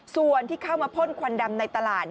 ส่วนที่เข้ามาพ่นควันดำในตลาด